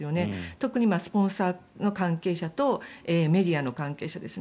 特にスポンサーの関係者とメディアの関係者ですね。